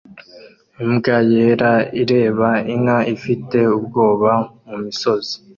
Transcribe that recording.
Imbwa yera ireba inka ifite ubwoba mumisozi